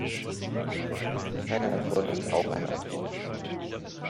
Keine Antwort ist auch eine Antwort.